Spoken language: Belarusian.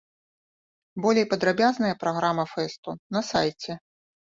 Болей падрабязная праграма фэсту на сайце.